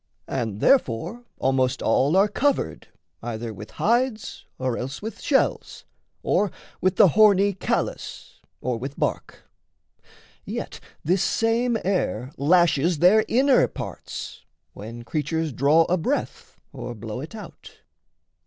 And therefore almost all Are covered either with hides, or else with shells, Or with the horny callus, or with bark. Yet this same air lashes their inner parts, When creatures draw a breath or blow it out.